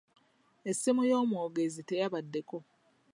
Essimu y'omwogezi teyabaddeko